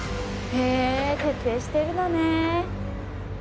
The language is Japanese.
へえ徹底してるのね！